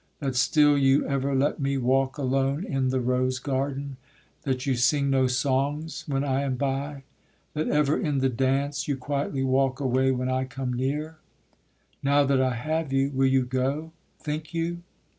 That still you ever let me walk alone In the rose garden, that you sing no songs When I am by, that ever in the dance You quietly walk away when I come near? Now that I have you, will you go, think you?